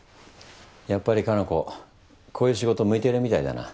やっぱり可南子こういう仕事向いてるみたいだな。